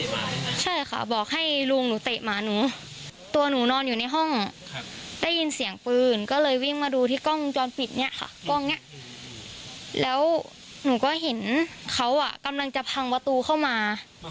ใช่ค่ะบอกให้ลุงหนูเตะหมาหนูตัวหนูนอนอยู่ในห้องได้ยินเสียงปืนก็เลยวิ่งมาดูที่กล้องวงจรปิดเนี่ยค่ะกล้องเนี้ยแล้วหนูก็เห็นเขาอ่ะกำลังจะพังประตูเข้ามา